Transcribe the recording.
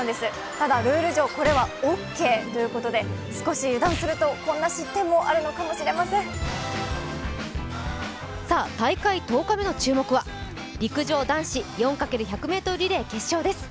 ただルール上、これはオーケーということで少し油断すると大会１０日目の注目は陸上男子４×１００ｍリレーの決勝です。